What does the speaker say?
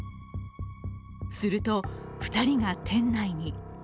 すると、２人が店内に。